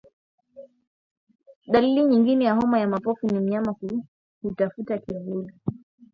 Dalili nyingine ya homa ya mapafu ni mnyama hutafuta kivuli